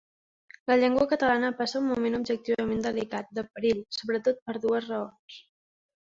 La llengua catalana passa un moment objectivament delicat, de perill, sobretot per dues raons.